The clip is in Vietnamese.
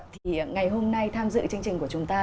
thì ngày hôm nay tham dự chương trình của chúng ta